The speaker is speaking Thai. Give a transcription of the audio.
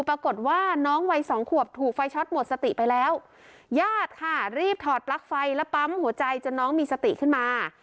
ปรากฏว่าน้องวัยสองขวบถูกไฟช็อตหมดสติไปแล้วญาติค่ะรีบถอดปลั๊กไฟและปั๊มหัวใจจนน้องมีสติขึ้นมา